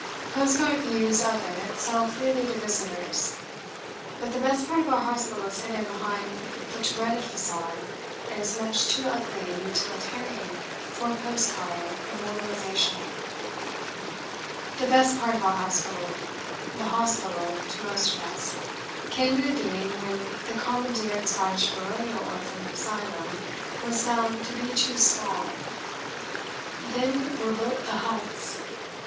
Postcard views of it sell freely to visitors. But the best part of our hospital is hidden behind that turreted façade, and is much too "ugly" and utilitarian for postcard immortalisation. The best part of our hospital the hospital, to most of us came into being when the commandeered Scottish baronial orphans' asylum was found to be too small. Then were built "the huts."